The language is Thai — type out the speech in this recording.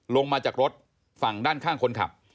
ลงมาจากรถฝั่งด้านข้างคนขับ